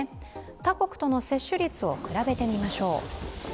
他国との接種率を比べてみましょう。